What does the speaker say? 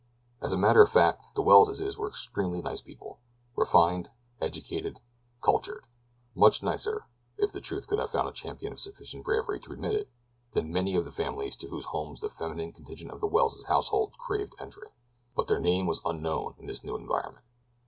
As a matter of fact the Welleses were extremely nice people. Refined, educated cultured. Much nicer, if the truth could have found a champion of sufficient bravery to admit it, than many of the families to whose homes the feminine contingent of the Welles household craved entree; but their name was unknown in this new environment.